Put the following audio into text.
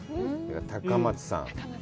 高松さん。